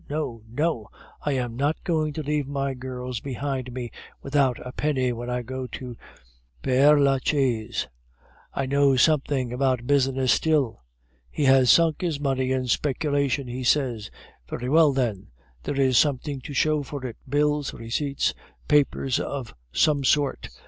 No, no; I am not going to leave my girls behind me without a penny when I go to Pere Lachaise. I know something about business still. He has sunk his money in speculation, he says; very well then, there is something to show for it bills, receipts, papers of some sort.